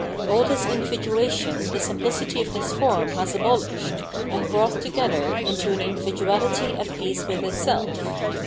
All this individuation the simphcity of this form has abohshed, and brought together into an individuahty at peace with itself.